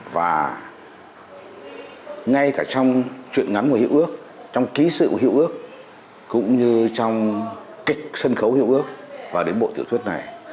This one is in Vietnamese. và ngay cả trong chuyện ngắn của hiệu ước trong ký sự của hiệu ước cũng như trong kịch sân khấu hiệu ước và đến bộ tiểu thuyết này